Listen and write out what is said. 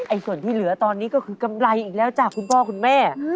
ส่วนที่เหลือตอนนี้ก็คือกำไรอีกแล้วจากคุณพ่อคุณแม่